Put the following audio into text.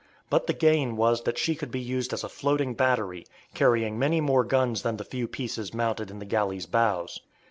But the gain was that she could be used as a floating battery, carrying many more guns than the few pieces mounted in the galley's bows.